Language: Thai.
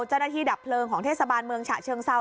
เจ้าหน้าที่ดับเพลิงของเทศบาลเมืองฉะเชิงเซา